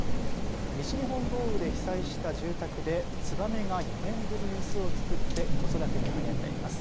西日本豪雨で被災した住宅でツバメが４年ぶりに巣を作って子育てに励んでいます。